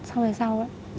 sau này sau ấy